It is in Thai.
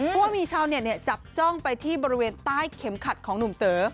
พวกมีชาวจับจ้องไปที่บริเวณใต้เข็มขัดของหนูเตอร์